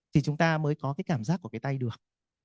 thì chúng ta mới có cái cảm giác của cái tay được